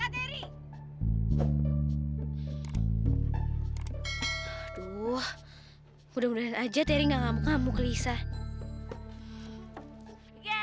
aduh mudah mudahan aja terry gak ngamuk ngamuk lisa